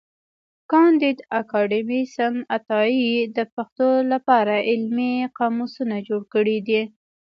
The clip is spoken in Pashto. کانديد اکاډميسن عطايي د پښتو له پاره علمي قاموسونه جوړ کړي دي.